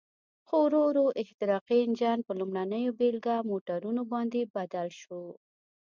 خو ورو ورو احتراقي انجن په لومړنیو بېلګه موټرونو باندې بدل شو.